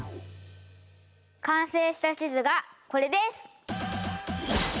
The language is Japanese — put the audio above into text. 完成した地図がこれです！